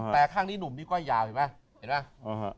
แต่ข้างนี้หนุ่มนิ้วก้อยยาวเห็นไหม